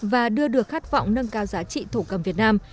và đưa được khát vọng nâng cao giá trị thổ cầm việt nam